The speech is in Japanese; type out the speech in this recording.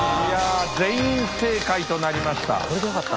全員正解となりました。